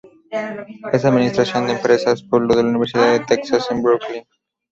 Es Administración de Empresas por la Universidad de Texas en Brownsville.